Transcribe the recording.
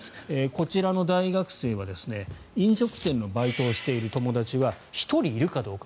こちらの大学生は飲食店のバイトをしている友達は１人いるかどうか。